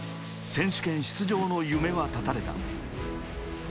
選手権出場の夢は絶たれた。